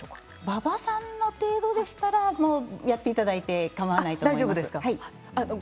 馬場さんの程度でしたらやっていただいてかまわないと思います。